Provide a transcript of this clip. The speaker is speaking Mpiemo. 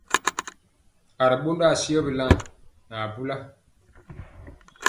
A ri ɓondɔ asiyɔ bilaŋ nɛ abula.